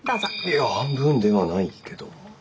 いや半分ではないけども。